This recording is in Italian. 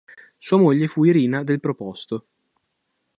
Sua moglie fu Irina del Proposto.